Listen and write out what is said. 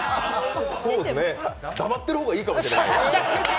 そうっすね、黙ってる方がいいかもしれない。